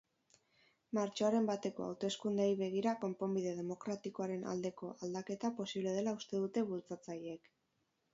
Martxoaren bateko hauteskundeei begira konponbide demokratikoaren aldeko aldaketa posible dela uste dute bultzatzaileek.